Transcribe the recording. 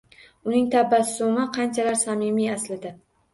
Uning tabassumi qanchalar samimiy aslida?